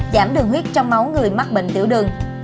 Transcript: giảm đường huyết trong máu người mắc bệnh tiểu đường